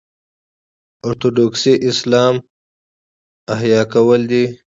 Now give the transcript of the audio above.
اورتوډوکسي اسلام احیا کول دي.